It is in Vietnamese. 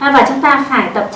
và chúng ta phải tập tranh